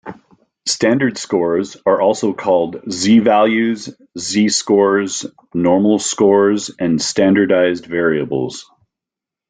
Standard scores are also called z-values, "z"-scores, normal scores, and standardized variables.